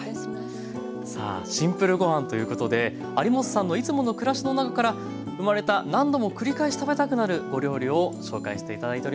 さあ「シンプルごはん」ということで有元さんのいつもの暮らしの中から生まれた何度も繰り返し食べたくなるお料理を紹介して頂いております。